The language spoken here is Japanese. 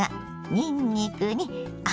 にんにくに赤